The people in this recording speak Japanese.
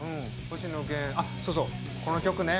あっそうそうこの曲ね。